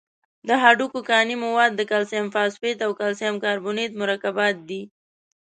د هډوکو کاني مواد د کلسیم فاسفیټ او کلسیم کاربونیت مرکبات دي.